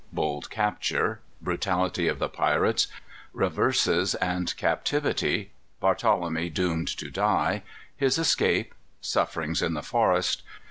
Bold Capture. Brutality of the Pirates. Reverses and Captivity. Barthelemy doomed to Die. His Escape. Sufferings in the Forest.